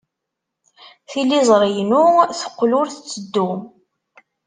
Tiliẓri-inu teqqel ur tetteddu.